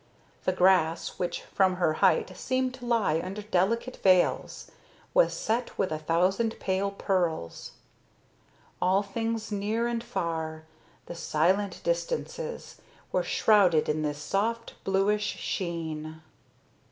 The grass, which from her height seemed to lie under delicate veils, was set with a thousand pale pearls. All things near and far, the silent distances, were shrouded in this soft, bluish sheen.